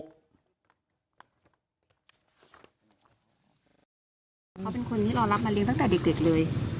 เขาเป็นคนที่รอรับมาเลี้ยงตั้งแต่เด็กเลย